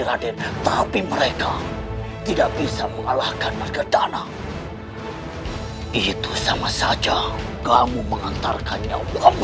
raden tapi mereka tidak bisa mengalahkan mereka danau itu sama saja kamu mengantarkannya